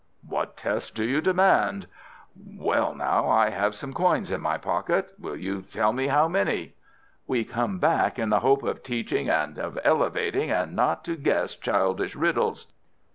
"What test do you demand?" "Well, now—I have some coins in my pocket. Will you tell me how many?" "We come back in the hope of teaching and of elevating, and not to guess childish riddles."